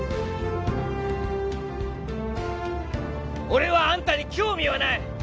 俺はアンタに興味はない！